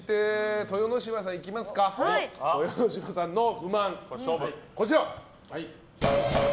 豊ノ島さんの不満はこちら。